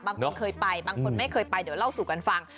บางคนเคยไปบางคนไม่เคยไปเดี๋ยวเล่าสู่กันฟัง